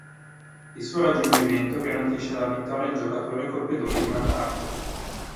Il suo raggiungimento garantisce la vittoria al giocatore col pedone di vantaggio.